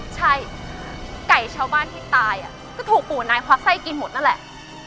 ใช่ไก่ชาวบ้านที่ตายก็ถูกปู่นายควักไส้กินหมดนั่นแหละ